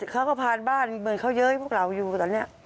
เขาก็ผ่านบ้านเหมือนเขาเย้ยพวกเราอยู่ตอนนี้